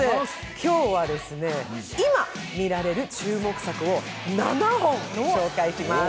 今日は今、見られる注目作を７本紹介します。